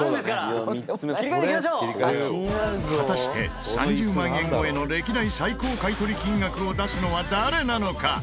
果たして３０万円超えの歴代最高買取金額を出すのは誰なのか？